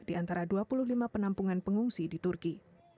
di antara dua puluh lima penampungan pengungsi di turki